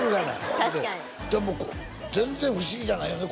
確かにでも全然不思議じゃないよね